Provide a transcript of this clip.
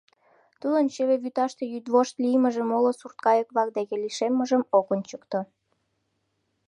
Тудын чыве вӱташте йӱдвошт лиймыже моло сурткайык-влак дек лишеммыжым ок ончыкто.